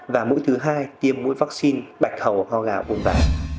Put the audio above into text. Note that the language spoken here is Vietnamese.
và mũi thứ hai tiêm mũi vaccine bạch hầu ho gà uốn ván